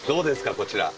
こちら。